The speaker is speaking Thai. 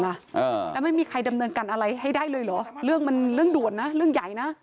อ่าแล้วไม่มีใครดำเนินการอะไรให้ได้เลยเหรอเรื่องมันเรื่องด่วนนะเรื่องใหญ่นะ